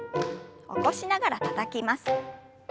起こしながらたたきます。